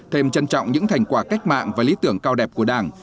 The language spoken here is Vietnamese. thêm trân trọng những thành quả cách mạng và lý tưởng cao đẹp của đảng